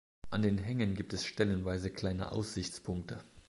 An den Hängen gibt es stellenweise kleine Aussichtspunkte.